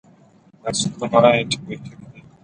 پنسلین لومړنی انټي بیوټیک و